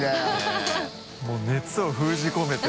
もう熱を封じ込めて。